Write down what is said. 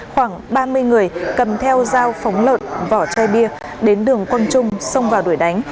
khoảng ba mươi người cầm theo dao phóng lợn vỏ chai bia đến đường quang trung xông vào đuổi đánh